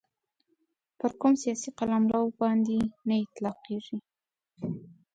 پر کوم سیاسي قلمرو باندي نه اطلاقیږي.